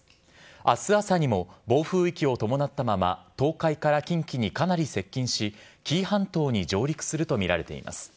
あす朝にも暴風域を伴ったまま、東海から近畿にかなり接近し、紀伊半島に上陸すると見られています。